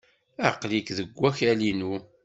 Aql-ik deg wakal-inu.